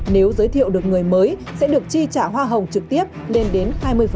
nếu giới thiệu được người mới sẽ được chi trả hoa hồng trực tiếp lên đến hai mươi